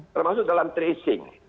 termasuk dalam tracing